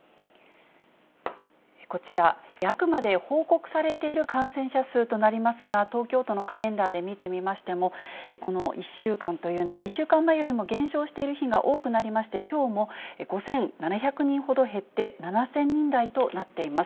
こちら、あくまで報告されている感染者数となりますが、東京都のカレンダーで見てみましても、この１週間というのは、１週間前よりも減少している日が多くなりまして、きょうも５７００人ほど減って７０００人台となっています。